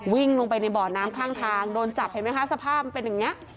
วิ่งลงไปในบ่อน้ำข้างทางโดนจับเห็นไหมคะสภาพมันเป็นอย่างนี้